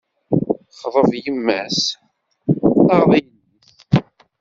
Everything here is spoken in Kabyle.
Xḍeb yemma-s, taɣeḍ yelli-s.